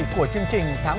của chương trình tháng một